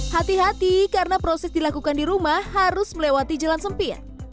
hati hati karena proses dilakukan di rumah harus melewati jalan sempit